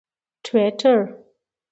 ټویټر